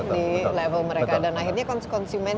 di level mereka dan akhirnya kan konsumen